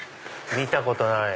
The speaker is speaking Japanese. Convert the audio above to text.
見たことない！